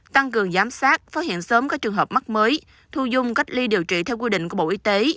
tăng cường giám sát phát hiện sớm các trường hợp mắc mới thu dung cách ly điều trị theo quy định của bộ y tế